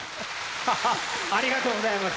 ありがとうございます。